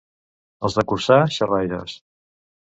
Els de Corçà, xerraires.